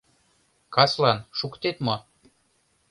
— Каслан шуктет мо?